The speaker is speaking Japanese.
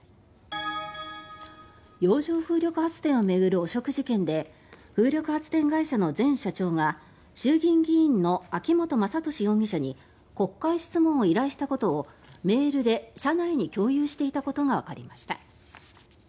洋上風力発電を巡る汚職事件で風力発電会社の前社長が衆議院議員の秋本真利容疑者に国会質問を依頼したことをメールで社内に共有していたことがわかりました。